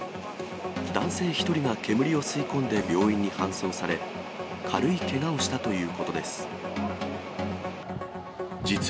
男性１人が煙を吸い込んで病院に搬送され、軽いけがをしたということです。